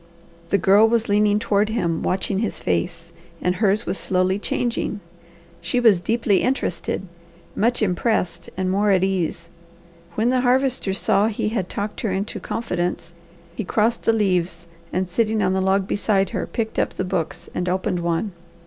The Girl was leaning toward him, watching his face, and hers was slowly changing. She was deeply interested, much impressed, and more at ease. When the Harvester saw he had talked her into confidence he crossed the leaves, and sitting on the log beside her, picked up the books and opened one.